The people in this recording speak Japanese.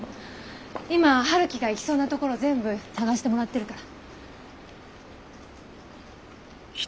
今陽樹が行きそうなところ全部捜してもらってるから。